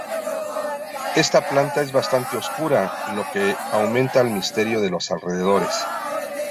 Esta planta es bastante oscura, lo que aumenta el misterio de los alrededores.